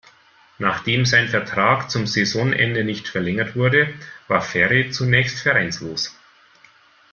Nachdem sein Vertrag zum Saisonende nicht verlängert wurde, war Ferri zunächst vereinslos.